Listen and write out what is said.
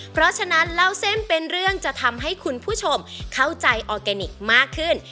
เพราะฉะนั้นเล่าเส้นเป็นเรื่องจะทำให้คุณผู้ชมเข้าใจออร์แกนิคมากขึ้น